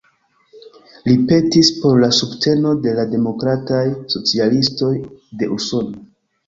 Li petis por la subteno de la Demokrataj Socialistoj de Usono.